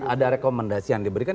ada rekomendasi yang diberikan